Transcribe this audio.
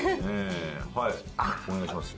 はいお願いします。